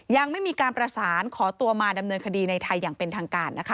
ยังไม่มีการประสานขอตัวมาดำเนินคดีในไทยอย่างเป็นทางการนะคะ